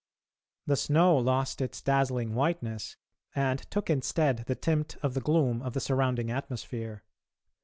The snow lost its dazzling whiteness and took instead the tint of the gloom of the surrounding atmosphere.